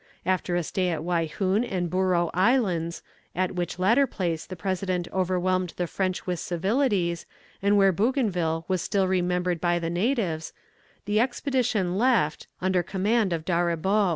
After a stay at Waihoun and Bouro Islands, at which latter place the President overwhelmed the French with civilities, and where Bougainville was still remembered by the natives, the expedition left, under command of D'Auribeau.